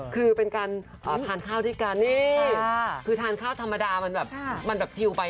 คือเป็นการทานข้าวด้วยกันนี่คือทานข้าวธรรมดามันแบบมันแบบชิลไป